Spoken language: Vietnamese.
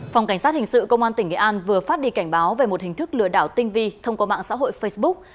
phòng cảnh sát hình sự công an tỉnh nghệ an vừa phát đi cảnh báo về một hình thức lừa đảo tinh vi thông qua mạng xã hội facebook